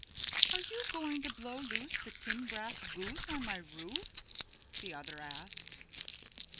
"Are you going to blow loose the tin brass goose on my roof?" the other asked.